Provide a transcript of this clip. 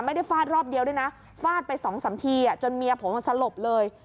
ฟาดรอบเดียวด้วยนะฟาดไปสองสามทีจนเมียผมสลบเลย